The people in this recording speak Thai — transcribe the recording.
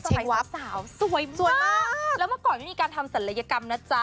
สาวสวยสวยมากแล้วเมื่อก่อนไม่มีการทำศัลยกรรมนะจ๊ะ